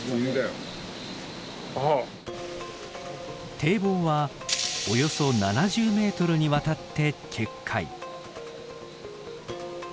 堤防はおよそ７０ｍにわたって決壊。